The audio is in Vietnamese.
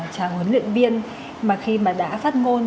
chào huấn luyện viên mà khi mà đã phát ngôn